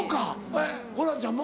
えっホランちゃんも？